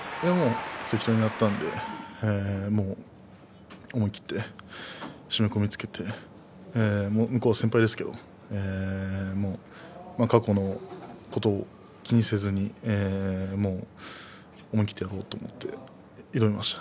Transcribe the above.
関取になったので思い切って締め込みつけて向こうは先輩ですけど過去のことを気にせずに思い切ってやろうと思って挑みました。